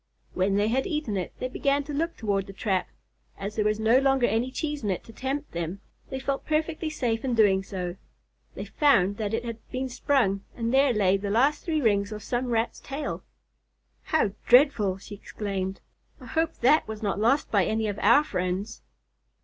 When they had eaten it, they began to look toward the trap. As there was no longer any cheese in it to tempt them, they felt perfectly safe in doing so. They found that it had been sprung, and there lay the last three rings of some Rat's tail. "How dreadful!" she exclaimed. "I hope that was not lost by any of our friends."